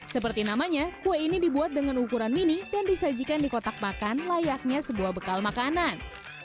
seperti namanya kue ini dibuat dengan ukuran mini dan disajikan di kotak makan layaknya sebuah bekal makanan